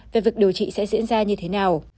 về việc điều trị sẽ diễn ra như thế nào